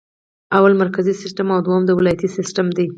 لومړی مرکزي سیسټم او دوهم ولایتي سیسټم دی.